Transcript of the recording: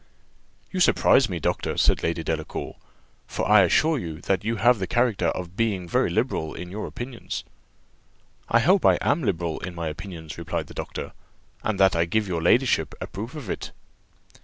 "You surprise me, doctor!" said Lady Delacour; "for I assure you that you have the character of being very liberal in your opinions." "I hope I am liberal in my opinions," replied the doctor, "and that I give your ladyship a proof of it."